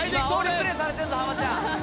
今あおりプレーされてんぞハマちゃん